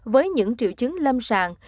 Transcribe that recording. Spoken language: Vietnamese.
với những triệu chứng lâm sàng